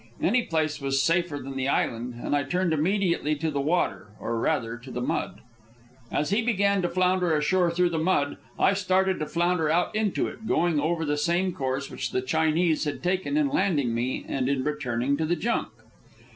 Any place was safer than the island, and I turned immediately to the water, or rather to the mud. As he began to flounder ashore through the mud. I started to flounder out into it, going over the same course which the Chinese had taken in landing me and in returning to the junk.